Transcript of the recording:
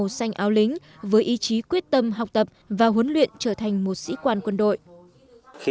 sang đã trở thành áo lính với ý chí quyết tâm học tập và huấn luyện trở thành một sĩ quan quân đội